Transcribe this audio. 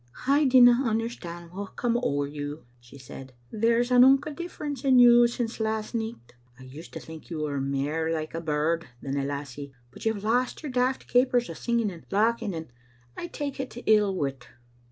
"I dinna understand what has come ower you," she said. " There's an unca difference in you since last hicht. I used to think you were mair like a bird than a lassie, but you've lost a* your daft capers o* singing andlauch ing, and I take ill wi't.